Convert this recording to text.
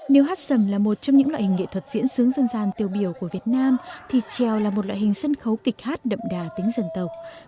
nếu hát sầm là một trong những loại hình nghệ thuật diễn xướng dân gian tiêu biểu của việt nam thì trèo là một loại hình sân khấu kịch hát đậm đà tính dân tộc